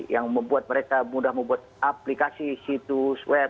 yang membuat mereka mudah membuat aplikasi situs web